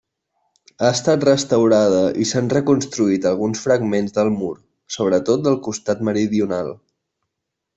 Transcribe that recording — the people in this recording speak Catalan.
Ha estat restaurada i s'han reconstruït alguns fragments del mur, sobretot del costat meridional.